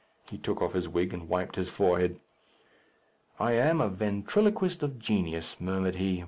He took off his wig and wiped his forehead. "I am a ventriloquist of genius," murmured he.